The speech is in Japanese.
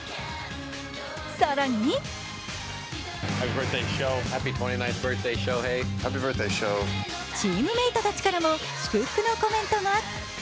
更にチームメートたちからも祝福のコメントが。